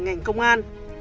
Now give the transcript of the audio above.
ngành công an